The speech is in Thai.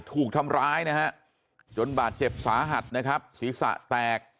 ถูกทำร้ายนะฮะจนบาดเจ็บสาหัสนะครับศีรษะแตก